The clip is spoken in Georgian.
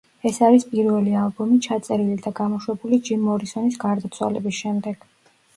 ეს არის პირველი ალბომი, ჩაწერილი და გამოშვებული ჯიმ მორისონის გარდაცვალების შემდეგ.